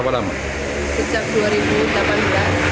penyakitnya gagal ginjal kak